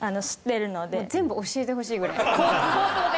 全部教えてほしいぐらい口頭で。